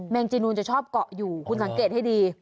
งจีนูนจะชอบเกาะอยู่คุณสังเกตให้ดี